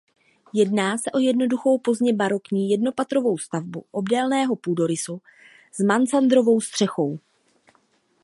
Jedná se o jednoduchou pozdně barokní jednopatrovou stavbu obdélného půdorysu s mansardovou střechou.